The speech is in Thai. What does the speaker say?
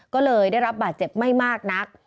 ก็เลยได้รับบาดเจ็บไม่มากนัก